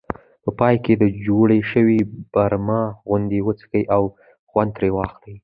په پای کې د جوړې شوې مربا خوند وڅکئ او خوند ترې واخلئ.